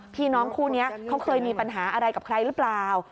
พี่น้องคู่นี้เขาเคยมีปัญหาอะไรกับใครหรือเปล่า